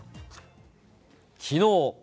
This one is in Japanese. きのう。